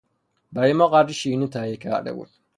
برای ما قدری شیرینی تهیه کرده بود.